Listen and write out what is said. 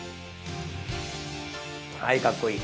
はいかっこいい。